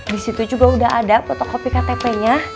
di situ juga udah ada protokol pktp nya